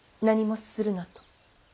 何もするなと。